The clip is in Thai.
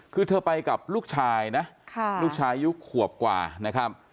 คือเธอไปกับลูกชายนะลูกชายยุคขวบกว่านะครับ